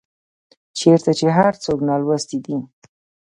چيرته چي هر څوک نالوستي دي